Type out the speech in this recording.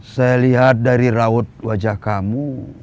saya lihat dari raut wajah kamu